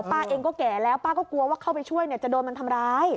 ป้าเองก็แก่แล้วป้าก็กลัวว่าเข้าไปช่วยจะโดนมันทำร้าย